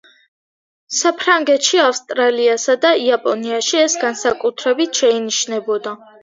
საფრანგეთში, ავსტრალიასა და იაპონიაში ეს განსაკუთრებით შეინიშნებოდა.